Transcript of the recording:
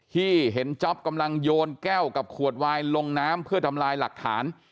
ที่เห็นจ๊อปกำลังโยนแก้วกับขวดวายลงน้ำเพื่อทำลายหลักฐาน